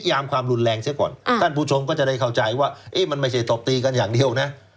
นิยามความรุนแรงเสียก่อนก็จะเข้าใจว่ามันไม่ใช่ตบตีกันอย่างเดียวน่ะ